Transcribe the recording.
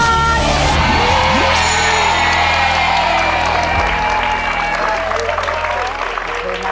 เย้